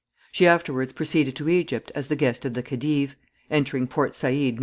She afterwards proceeded to Egypt as the guest of the khedive, entering Port Saïd Nov.